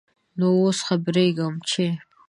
نوو اوس خبريږم ، چې ...